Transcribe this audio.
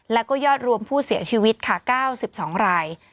แล้วก็ยอดรวมผู้เสียชีวิตค่ะ๙๒ราย